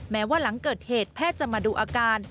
แม้ว่าหลังเกิดเหตุแพทย์จะมาดูอาการ